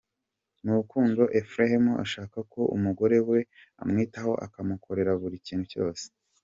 Mu rukundo, Ephrem ashaka ko umugore we amwitaho akamukorera buri kintu cyose.